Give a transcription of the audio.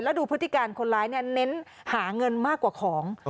แล้วดูพฤติการคนร้ายเนี่ยเน้นหาเงินมากกว่าของ